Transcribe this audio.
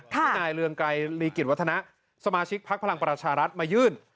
ที่นายเรืองไกรลีกิจวัฒนะสมาชิกพักพลังประชารัฐมายื่น